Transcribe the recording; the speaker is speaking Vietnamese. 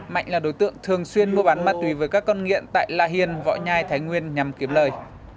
mạnh là đối tượng thường xuyên mua bán ma túy với các con nghiện tại la hiền võ nhai thái nguyên nhằm kiếm lời